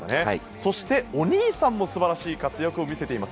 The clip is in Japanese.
そしてお兄さんも素晴らしい活躍を見せています。